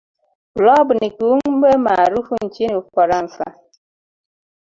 blob ni kiumbe maarufu nchini ufaransa